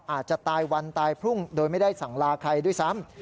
อาจจะตายวันตายพรุ่งโดยไม่ได้สั่งลาใครด้วยซ้ำ